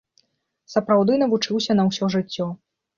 Сапраўды навучыўся на ўсё жыццё.